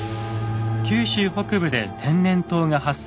九州北部で天然痘が発生。